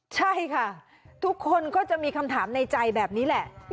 ใช่ค่ะทุกคนก็จะมีคำถามในใจแบบนี้แหละ